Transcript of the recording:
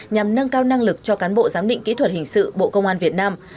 nhằm nâng cao năng lực cho cán bộ giám định kỹ thuật hình sự bộ công an việt nam